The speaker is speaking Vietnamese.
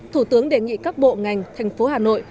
thủ tướng đề nghị các bộ ngành thành phố hà nội